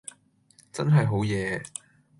真係好嘢￼￼